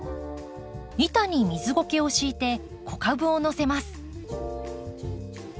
板に水ごけを敷いて子株をのせます。